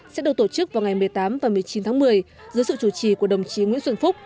sẽ được tổ chức vào ngày một mươi tám và một mươi chín tháng một mươi dưới sự chủ trì của đồng chí nguyễn xuân phúc